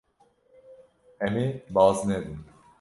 Em ê baz nedin.